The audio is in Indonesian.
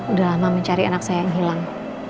udah lama mencari anak saya yang hilang